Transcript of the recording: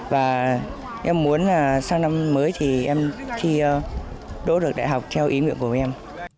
và em muốn là sau năm mới thì em thi đỗ được đại học theo ý nguyện của em